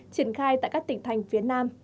triển khai tại các tỉnh thành phía nam